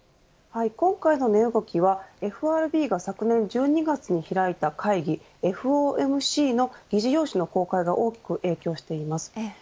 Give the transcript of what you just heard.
今回の値動きはＦＲＢが昨年１２月に開いた会議ＦＯＭＣの議事要旨の公開が大きく影響しています。